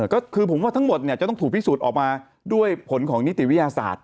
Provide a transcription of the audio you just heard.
ก็คือผมว่าทั้งหมดจะต้องถูกพิสูจน์ออกมาด้วยผลของนิติวิทยาศาสตร์